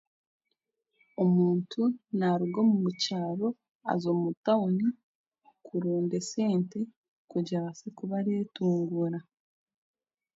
Omuntu naaruga omu kyaro aza omu tawuni koranda esente kugira abaase kuba aretunguura